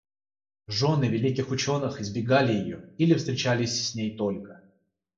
Жены великих ученых избегали ее или встречались с ней только